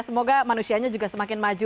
semoga manusianya juga semakin maju